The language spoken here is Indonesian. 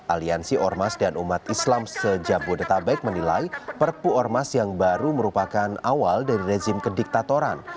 aliansi ormas dan umat islam sejak bodetabek menilai perpu ormas yang baru merupakan awal dari rezim kediktatoran